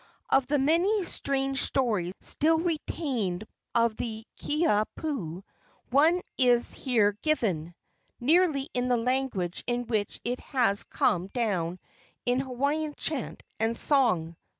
Of the many strange stories still retained of the Kiha pu, one is here given, nearly in the language in which it has come down in Hawaiian chant and song.